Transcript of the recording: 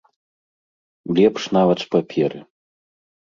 Лепш нават з паперы.